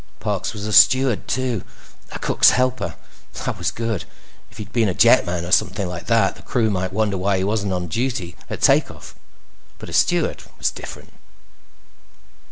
Parks was a steward, too. A cook's helper. That was good. If he'd been a jetman or something like that, the crew might wonder why he wasn't on duty at takeoff. But a steward was different.